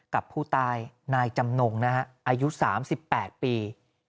กับผู้ตายนายจำนงนะฮะอายุ๓๘ปี